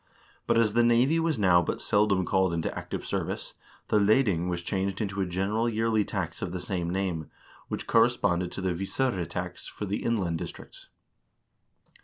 But as the navy was now but seldom called into active service, the leding was changed into a general yearly tax of the same name, which corresponded to the visfire tax for the inland districts.